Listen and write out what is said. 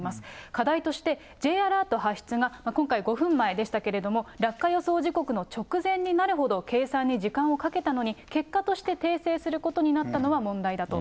課題としてＪアラート発出が、今回５分前でしたけれども、落下予想時刻の直前になるほど計算に時間をかけたのに、結果として訂正することになったのは問題だと。